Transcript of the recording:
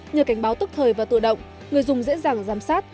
nhờ cảnh báo tức thời và tự động người dùng dễ dàng giám sát